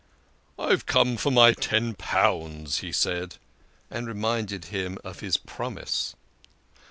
" I have come for my ten pounds," he said, and reminded him of his promise